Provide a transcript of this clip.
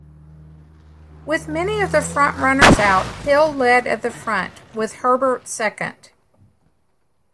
With many of the front-runners out, Hill led at the front, with Herbert second.